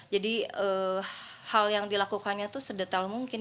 jadi hal yang dilakukannya itu sedetail mungkin